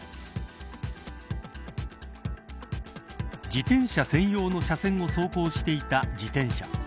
自転車専用の車線を走行していた自転車。